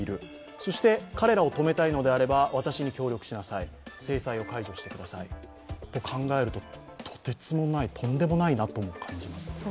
そして彼らを止めたいのであれば私に協力しなさい制裁を解除してくださいと考えると、とてつもない、とんでもないなと感じます。